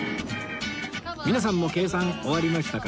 皆さんも計算終わりましたか？